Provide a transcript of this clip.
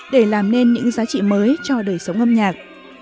để làm nên những giá trị mới cho đời sống âm nhạc